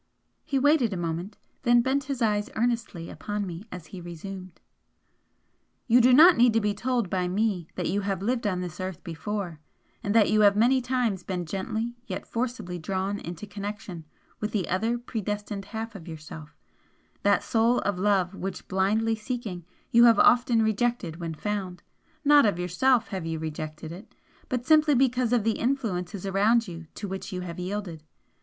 He waited a moment then bent his eyes earnestly upon me as he resumed "You do not need to be told by me that you have lived on this earth before, and that you have many times been gently yet forcibly drawn into connection with the other predestined half of yourself, that Soul of love which blindly seeking, you have often rejected when found not of yourself have you rejected it but simply because of the influences around you to which you have yielded.